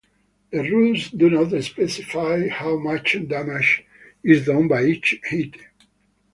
The rules do not specify how much damage is done by each hit.